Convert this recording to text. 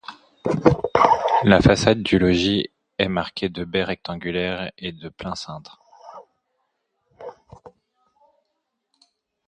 La façade du logis est marquée de baies rectangulaires et de plein cintre.